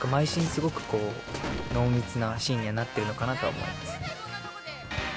すごく濃密なシーンになってるのかなとは思います。